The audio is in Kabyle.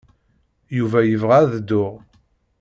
Yuba yebɣa ad dduɣ.